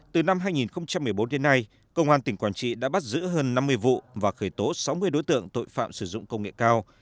từ năm hai nghìn một mươi bốn đến nay công an tỉnh quảng trị đã bắt giữ hơn năm mươi vụ và khởi tố sáu mươi đối tượng tội phạm sử dụng công nghệ cao